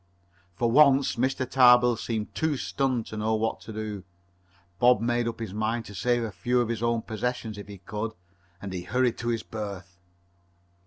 For once Mr. Tarbill seemed too stunned to know what to do. Bob made up his mind to save a few of his own possessions if he could, and he hurried to his berth.